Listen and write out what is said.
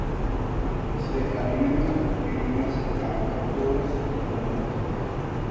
Se alimentan de pequeños artrópodos y moluscos.